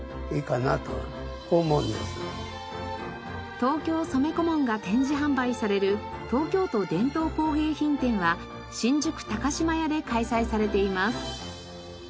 東京染小紋が展示販売される東京都伝統工芸品展は新宿島屋で開催されています。